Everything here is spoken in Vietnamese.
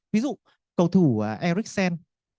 ví dụ cầu thủ ericksen